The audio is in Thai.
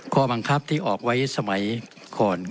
ข้อบังคับที่ออกไว้สมัยก่อน